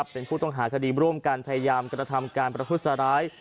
เป็นผู้ต้องหาคดีร่วมกันพยายามกระทำการประทุษร้าย